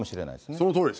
そのとおりです。